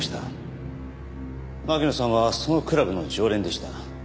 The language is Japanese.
巻乃さんはそのクラブの常連でした。